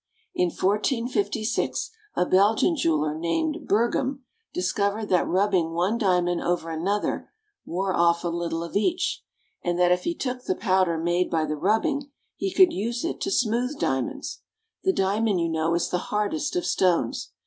In 1456 a Belgian jeweler named Berghem discovered that rubbing one diamond over another wore off a little of each, and that if he took the powder made by the rubbing he could use it to smooth diamonds. The diamond, you know, is the hardest of stones.